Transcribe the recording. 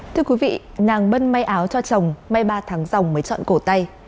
thưa quý vị nàng bân may áo cho chồng may ba tháng dòng mới chọn cổ tay